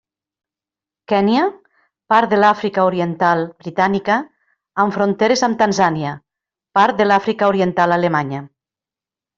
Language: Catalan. Kenya, part de l'Àfrica oriental britànica amb fronteres amb Tanzània, part de l'Àfrica oriental alemanya.